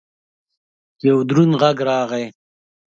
یو دروند غږ راغی!